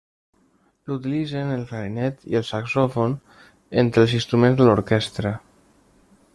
L'utilitzen el clarinet i el saxòfon entre els instruments de l'orquestra.